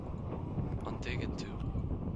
an dtuigeann tú